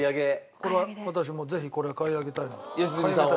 これは私もぜひこれは買い上げたいなと。